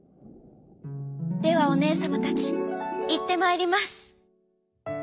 「ではおねえさまたちいってまいります」。